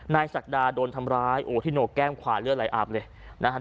นายศักดาโดนทำร้ายโอทิโนกแก้มขวาเลือดไหลอาบเลย